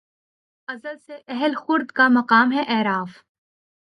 ازل سے اہل خرد کا مقام ہے اعراف